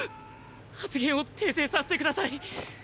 発言を訂正させて下さい。